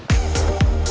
jadi pengalaman banget